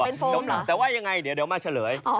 เป็นโฟมเหรอแต่ว่ายังไงเดี๋ยวมาเฉลย